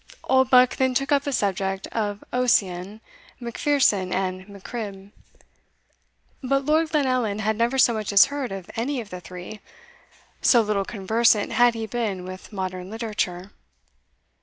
Oldbuck then took up the subject of Ossian, Macpherson, and Mac Cribb; but Lord Glenallan had never so much as heard of any of the three, so little conversant had he been with modern literature.